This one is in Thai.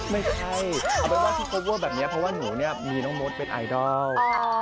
ไม่ใช่เอาแปะฉุกคอเวอร์แบบนี้เพราะว่าหนูมีน้องมดเป็นไอดล